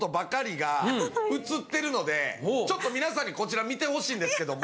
ちょっと皆さんにこちら見てほしいんですけども。